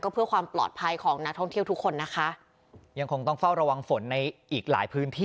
ก็เพื่อความปลอดภัยของนักท่องเที่ยวทุกคนนะคะ